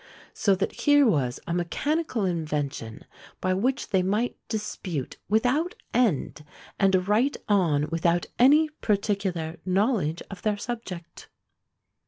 So that here was a mechanical invention by which they might dispute without end, and write on without any particular knowledge of their subject!